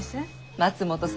松本様。